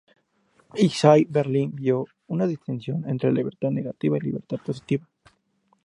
Isaiah Berlin vio una distinción entre la libertad negativa y libertad positiva.